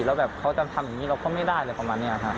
แล้วแบบเขาจะทำอย่างนี้เราก็ไม่ได้อะไรประมาณนี้ครับ